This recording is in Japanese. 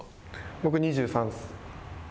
僕、２３です。